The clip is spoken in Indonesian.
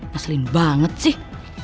meselin banget sih